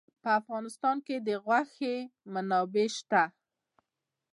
په افغانستان کې د غوښې منابع شته.